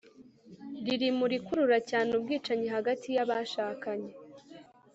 riri mu rikurura cyane ubwicanyi hagati y’abashakanye